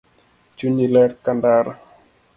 Chunyi ler kandara